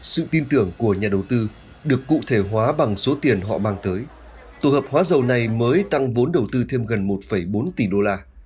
sự tin tưởng của nhà đầu tư được cụ thể hóa bằng số tiền họ mang tới tổ hợp hóa dầu này mới tăng vốn đầu tư thêm gần một bốn tỷ đô la